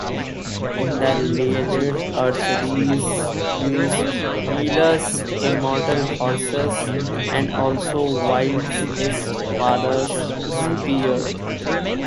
In the "Iliad", Achilles uses Peleus' immortal horses and also wields his father's spear.